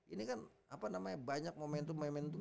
ini kan apa namanya banyak momentum